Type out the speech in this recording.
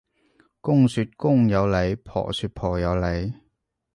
公說公有理，婆說婆有理